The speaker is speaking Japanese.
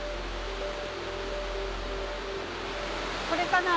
これかな？